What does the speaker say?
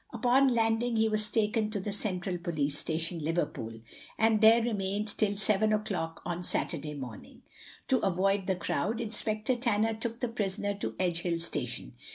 Upon landing he was taken to the central police station, Liverpool, and there remained till seven o'clock on Saturday morning. To avoid the crowd Inspector Tanner took the prisoner to Edgehill station.